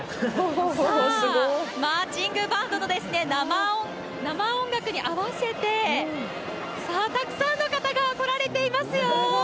さあ、マーチングバンドの生音楽に合わせて、さあ、たくさんの方が来られていますよ。